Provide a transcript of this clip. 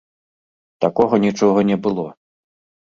Такога нічога не было.